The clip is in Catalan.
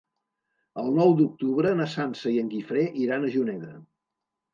El nou d'octubre na Sança i en Guifré iran a Juneda.